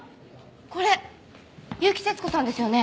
これ結城節子さんですよね？